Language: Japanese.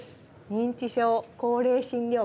認知症・高齢診療科。